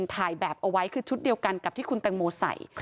ถ่ายแบบเอาไว้คือชุดเดียวกันกับที่คุณแตงโมใส่